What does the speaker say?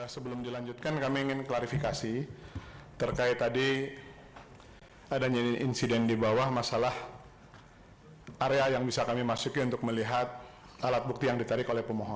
sebelum dilanjutkan kami ingin klarifikasi terkait tadi adanya insiden di bawah masalah area yang bisa kami masuki untuk melihat alat bukti yang ditarik oleh pemohon